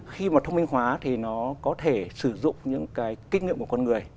khi mà thông minh hóa thì nó có thể sử dụng những cái kinh nghiệm của con người